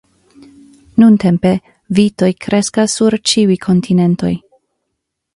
Nuntempe vitoj kreskas sur ĉiuj kontinentoj.